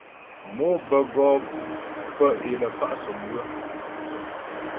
Mò bə́ go'o bə́ é lə fa' sɔ́mywə.